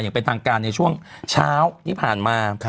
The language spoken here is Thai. อย่างเป็นทางการในช่วงเช้าที่ผ่านมา